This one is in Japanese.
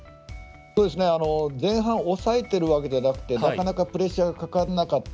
前半を抑えているわけじゃなくてなかなかプレッシャーがかからなかった。